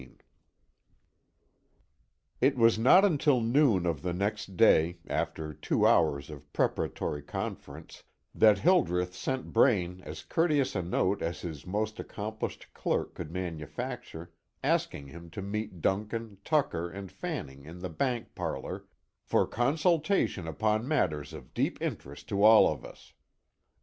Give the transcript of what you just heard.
XVI. It was not until noon of the next day, after two hours of preparatory conference, that Hildreth sent Braine as courteous a note as his most accomplished clerk could manufacture, asking him to meet Duncan, Tucker and Fanning in the bank parlor, "for consultation upon matters of deep interest to all of us."